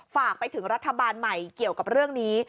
ฝากไปถึงรัฐบาลใหม่เกี่ยวกับเรื่องนี้